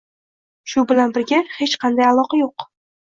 Shu bilan birga, hech qanday aloqa yo'q